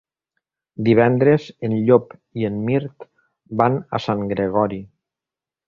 Divendres en Llop i en Mirt van a Sant Gregori.